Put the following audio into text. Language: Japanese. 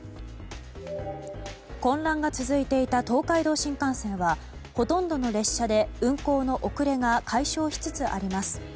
混乱が続いていた東海道新幹線はほとんどの列車で運行の遅れが解消しつつあります。